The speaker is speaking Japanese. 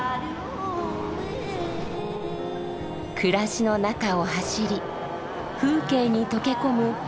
暮らしの中を走り風景に溶け込む